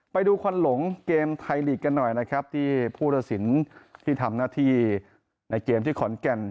ไปดูควันหลงเกมไทยลีกกันหน่อยนะครับที่ผู้ตัดสินที่ทำหน้าที่ในเกมที่ขอนแก่น